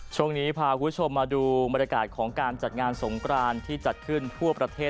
ช่วงนี้พาคุณผู้ชมมาดูบรรยากาศของการจัดงานสงกรานที่จัดขึ้นทั่วประเทศ